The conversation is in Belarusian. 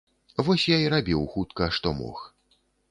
Вось я і рабіў хутка, што мог.